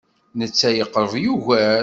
Netta yeqreb ugar.